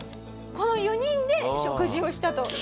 この４人で食事をしたと。